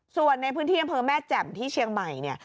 ส่วนในพื้นที่อำเภอแม่แจ่มที่เชียงใหม่เนี่ย